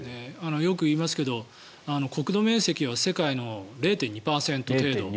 よく言いますけど国土面積は世界の０．２％程度。